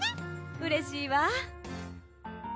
うれしいわ。